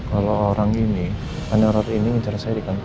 kalau orang ini peneror ini incara saya di kantor